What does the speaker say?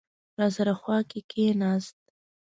راسره خوا کې کېناست.